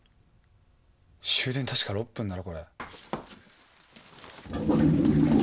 終電確か６分だろこれ。